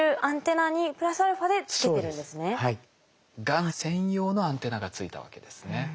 がん専用のアンテナがついたわけですね。